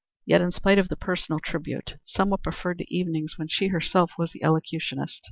Yet in spite of the personal tribute, Selma preferred the evenings when she herself was the elocutionist.